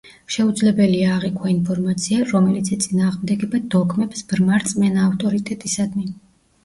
შეუძლებელია, აღიქვა ინფორმაცია, რომელიც ეწინააღმდეგება დოგმებს, ბრმა რწმენა ავტორიტეტისადმი.